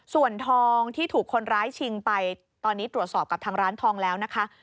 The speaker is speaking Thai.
ส่วนทองที่ถูกคนร้ายชิงไปตอนนี้ตรวจสอบกับทางร้านทองแล้วนะคะ